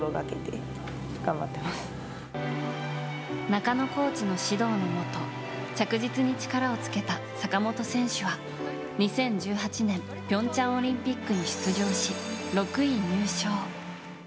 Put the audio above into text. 中野コーチの指導のもと着実に力をつけた坂本選手は２０１８年平昌オリンピックに出場し６位入賞。